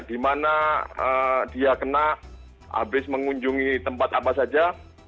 dimana dia kena habis mengunjungi tempat apa saja